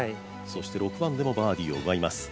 ６番でもバーディーを奪います。